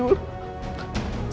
lalu selanjutnya saya tergiur